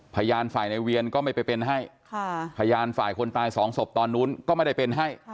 พยานฝ่ายในเวียนก็ไม่ไปเป็นให้พยานฝ่ายคนตายสองศพตอนนู้นก็ไม่ได้เป็นให้